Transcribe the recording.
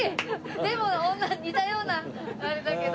でも似たようなあれだけど。